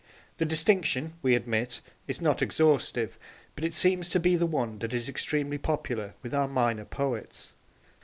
The distinction, we admit, is not exhaustive, but it seems to be the one that is extremely popular with our minor poets.